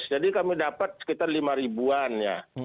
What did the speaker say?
jadi kami dapat sekitar lima ribuan ya